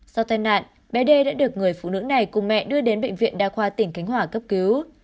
do tai nạn bé d đã được người phụ nữ này cùng mẹ đưa đến bệnh viện đa khoa tỉnh cánh hỏa cấp cứu